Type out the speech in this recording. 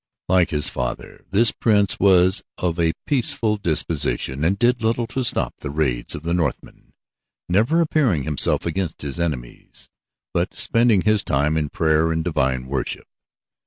Like his father, this prince was of a peaceful disposition, and did little to stop the raids of the Northmen, never appearing himself against his enemies, but spending his time in prayer and divine worship.